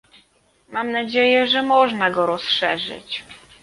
Mam nadzieję, że można go rozszerzyć